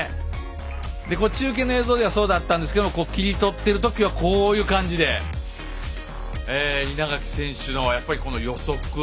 中継の映像ではこうだったんですけど切り取っているときはこういう感じで稲垣選手の予測。